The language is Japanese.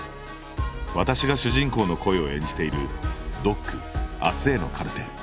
私が主人公の声を演じている「ＤＯＣあすへのカルテ」